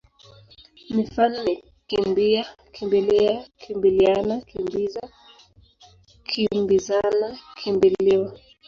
Mifano ni kimbi-a, kimbi-lia, kimbili-ana, kimbi-za, kimbi-zana, kimbi-liwa.